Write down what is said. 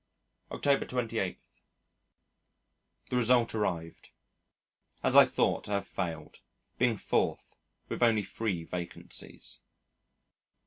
October 28. The result arrived. As I thought, I have failed, being fourth with only three vacancies.